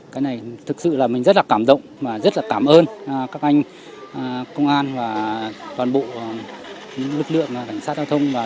cái này thực sự là mình rất là cảm động và rất là cảm ơn các anh công an và toàn bộ lực lượng cảnh sát giao thông